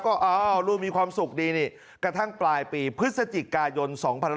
ก็อ้าวลูกมีความสุขดีนี่กระทั่งปลายปีพฤศจิกายน๒๕๖๒